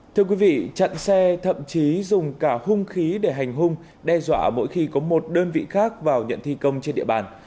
thưa quý vị chặn xe thậm chí dùng cả hung khí để hành hung đe dọa mỗi khi có một đơn vị khác vào nhận thi công trên địa bàn